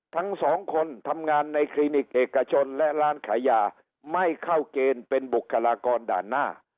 ทั้งสองคนทำงานในคลินิกเอกชนและร้านขายยาไม่เข้าเกณฑ์เป็นบุคลากรด่านหน้า